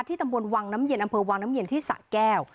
ตำบลวังน้ำเย็นอำเภอวังน้ำเย็นที่สะแก้ว